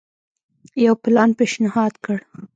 یو پلان پېشنهاد کړ.